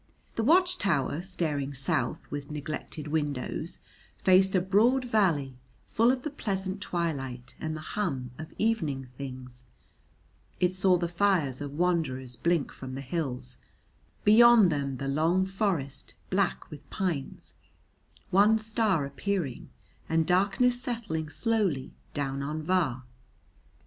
The watch tower, staring South with neglected windows, faced a broad valley full of the pleasant twilight and the hum of evening things: it saw the fires of wanderers blink from the hills, beyond them the long forest black with pines, one star appearing, and darkness settling slowly down on Var.